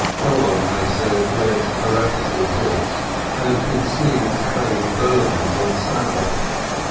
Sholem, they said, read heret ical books, and had been seen carrying "burdens" on Sabbath.